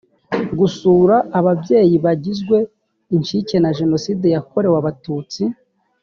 gusura ababyeyi bagizwe incike na jenoside yakorewe abatutsi